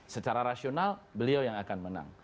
secara rasional beliau yang akan menang